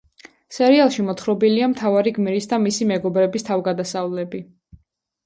სერიალში მოთხრობილია მთავარი გმირის და მისი მეგობრების თავგადასავლები.